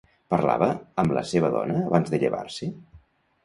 Parlava amb la seva dona abans de llevar-se?